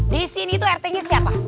di sini tuh rt ini siapa